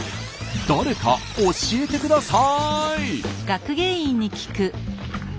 誰か教えてください！